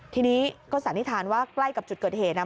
ทีนี้ก็สันนิษฐานว่าใกล้กับจุดเกิดเหตุนะ